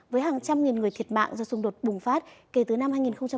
với hàng trăm nghìn người thiệt mạng do xung đột bùng phát kể từ năm hai nghìn một mươi